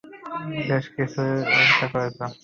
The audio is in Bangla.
বেশ, কীসের অপেক্ষা করছো?